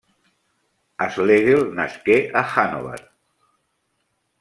Schlegel nasqué a Hannover.